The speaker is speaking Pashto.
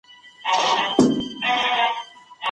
د وریښتانو څوکې پرې کول ضروري دي.